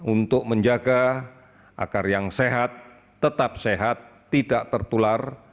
untuk menjaga agar yang sehat tetap sehat tidak tertular